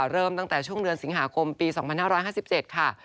เริ่มตั้งแต่ช่วงเดือนสิงหาคมปี๒๕๕๗ค่ะ